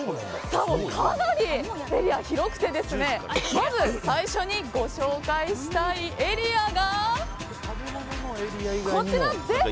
かなりエリアが広くてまず最初にご紹介したいエリアがこちらです！